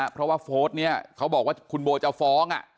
เพราะว่าโพสต์นี้เขาบอกว่าคุณโบจะฟ้อง